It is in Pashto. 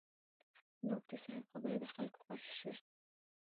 د مفتي صاحب خبرې د خلکو خوښې شوې وې.